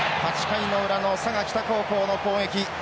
８回の裏の佐賀北高校の攻撃。